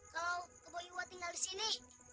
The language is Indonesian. kalau kebo iwa tinggal di sini